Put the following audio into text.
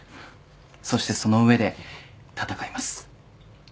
そしてその上で闘います。